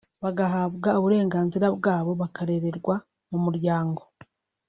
bagahabwa uburenganzira bwabo bakarererwa mu muryango